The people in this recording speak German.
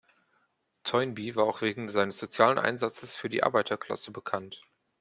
Toynbee war auch wegen seines sozialen Einsatzes für die Arbeiterklasse bekannt.